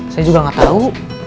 saya juga gak tau